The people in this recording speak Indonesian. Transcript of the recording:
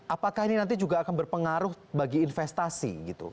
apakah ini nanti juga akan berpengaruh bagi investasi gitu